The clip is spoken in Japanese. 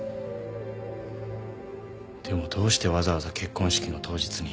でもどうしてわざわざ結婚式の当日に。